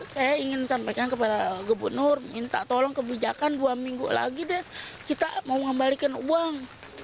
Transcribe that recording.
sejak kan dua minggu lagi deh kita mau ngembalikan uang